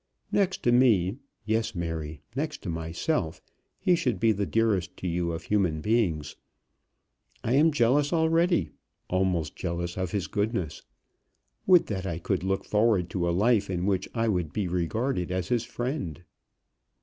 Next to me, yes, Mary, next to myself, he should be the dearest to you of human beings. I am jealous already, almost jealous of his goodness. Would that I could look forward to a life in which I would be regarded as his friend.